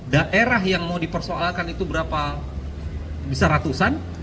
daerah yang mau dipersoalkan itu berapa bisa ratusan